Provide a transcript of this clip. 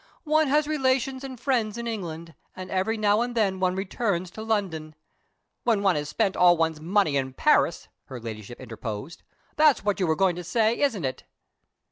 One has relations and friends in England and every now and then one returns to London " "When one has spent all one's money in Paris," her Ladyship interposed. "That's what you were going to say, isn't it?"